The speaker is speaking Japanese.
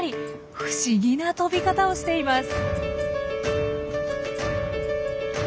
不思議な飛び方をしています。